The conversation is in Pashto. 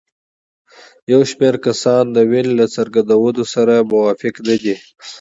یو شمېر کسان د وین له څرګندونو سره موافق نه دي.